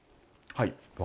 はい。